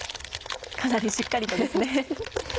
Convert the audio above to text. かなりしっかりとですね。